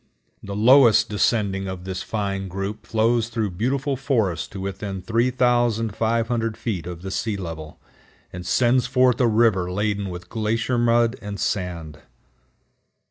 The lowest descending of this fine group flows through beautiful forests to within 3500 feet of the sea level, and sends forth a river laden with glacier mud and sand.